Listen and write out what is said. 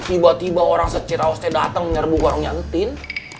tiba tiba orang secirau sete datang menyerbu warungnya entin